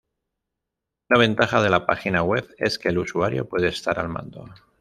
Una ventaja de la página web es que el usuario puede estar al mando.